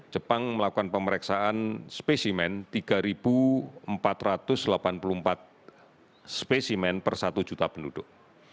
jepang melakukan pemeriksaan spesimen tiga empat ratus delapan puluh empat spesimen per satu juta penduduk